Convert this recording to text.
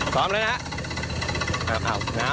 ฟังนะ